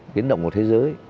biến động của thế giới